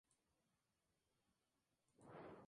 Ésta es la referencia más antigua que se tiene del lugar.